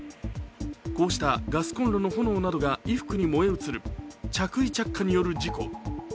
こうしたガスコンロの炎などが衣服に燃え移る着衣着火による事故。